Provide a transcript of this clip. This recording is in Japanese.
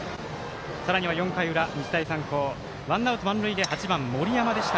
さらには４回裏、日大三高ワンアウト、満塁で８番、森山。